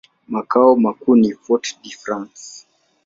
Makao makuu ni Fort-de-France.